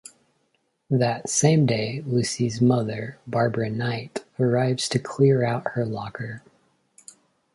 That same day, Lucy's mother, Barbara Knight, arrives to clear out her locker.